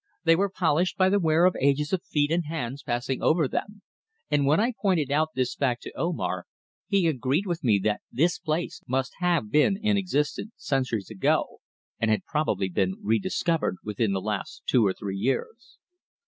They were polished by the wear of ages of feet and hands passing over them, and when I pointed out this fact to Omar he agreed with me that this place must have been in existence centuries ago, and had probably been re discovered within the last two or three years.